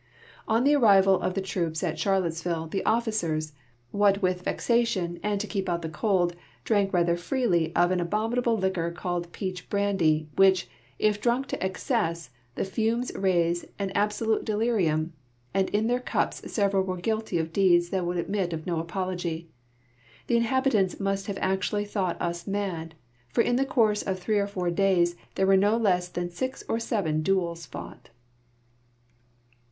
On the arrival of the ti'oops at Charlottesville the officers, what with vexation and to keep out the cold, drank rather freely of an abominable liquor called peach brandy, which, if drunk to excess, the fumes raise an absolute delirium, and in their cups sevei'al were guilty of deeds that would admit of no apolog}". The inhabitants must have actually thought us mad, for in the course of three or four days there were no less than six or seven duels fought.